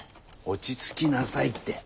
落ち着きなさいって。